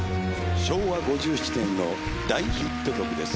昭和５７年の大ヒット曲です。